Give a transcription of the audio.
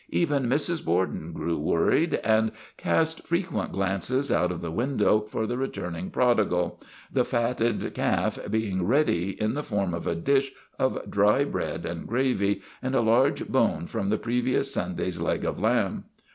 Even Mrs. Borden grew worried and cast frequent glances out of the window for the returning prodigal, the fatted calf being ready in the form of a dish of dry bread and gravy and a large bone from the pre vious Sunday's leg of lamb.